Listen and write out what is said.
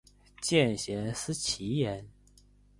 见贤思齐焉